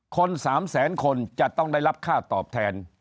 ๓แสนคนจะต้องได้รับค่าตอบแทน